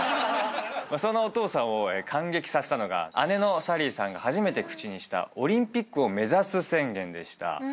そんなお父さんを感激させたのが姉の紗鈴依さんが初めて口にしたオリンピックを目指す宣言でした。